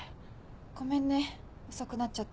ごめんね遅くなっちゃって。